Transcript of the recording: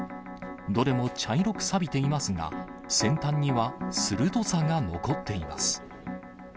どれも茶色くさびていますが、先端には鋭さが残っています。